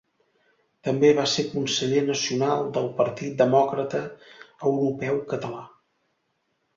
També va ser conseller Nacional del Partit Demòcrata Europeu Català.